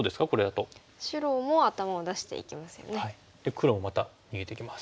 黒もまた逃げていきます。